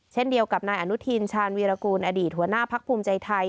เช่นเดียวกับนายอนุทินชาญวีรกูลอดีตหัวหน้าพักภูมิใจไทย